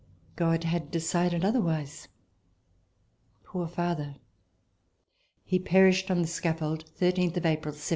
God had decided other wise! Poor father! He perished on the scaffold, 13 April, 1794.